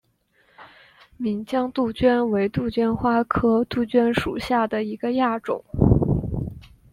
岷江杜鹃为杜鹃花科杜鹃属下的一个亚种。